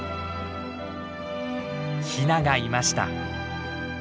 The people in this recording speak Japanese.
ヒナがいました。